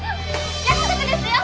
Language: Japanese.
約束ですよ！